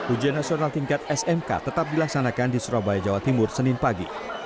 ujian nasional tingkat smk tetap dilaksanakan di surabaya jawa timur senin pagi